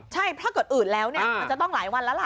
ใช่ถ้าเกิดอืดแล้วมันจะต้องหลายวันแล้วล่ะ